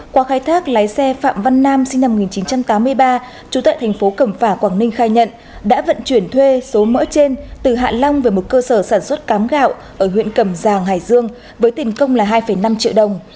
qua khai thác lái xe phạm văn nam sinh năm một nghìn chín trăm tám mươi ba trú tại thành phố cẩm phả quảng ninh khai nhận đã vận chuyển thuê số mỡ trên từ hạ long về một cơ sở sản xuất cám gạo ở huyện cẩm giang hải dương với tiền công là hai năm triệu đồng